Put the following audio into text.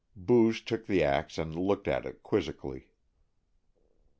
Booge took the ax and looked at it quizzically.